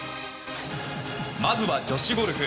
まずは女子ゴルフ。